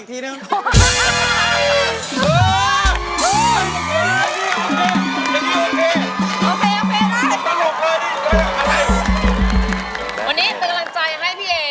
ทีมันใหญ่เนี่ย